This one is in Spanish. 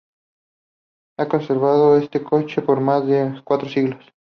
Ha conservado ese coche por más de un cuarto de siglo.